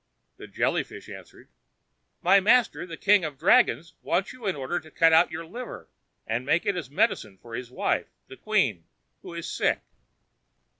The Jelly fish answered: "My master, the king of the dragons, wants you in order to cut out your liver, and give it as medicine to his wife, the queen, who is sick."